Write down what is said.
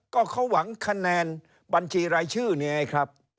ก็เขาหวังคะแนนบัญชีรายชื่อนี่ไงครับ